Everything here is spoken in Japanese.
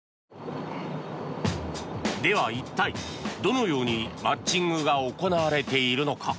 では一体、どのようにマッチングが行われているのか。